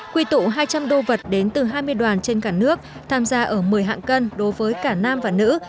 quy tụ hai trăm linh đô vật đến từ hai mươi đoàn trên cả nước tham gia ở một mươi hạng cân đối với cả nam và nữ